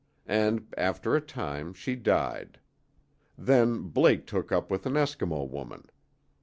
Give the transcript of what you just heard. And after a time she died. Then Blake took up with an Eskimo woman.